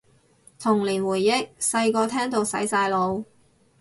童年回憶，細個聽到洗晒腦